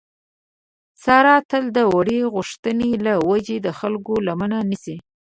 ساره تل د وړې غوښتنې له وجې د خلکو لمنه نیسي.